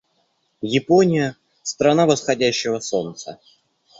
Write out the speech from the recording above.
Япония — страна восходящего солнца.